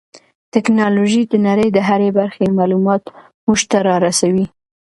ټیکنالوژي د نړۍ د هرې برخې معلومات موږ ته را رسوي.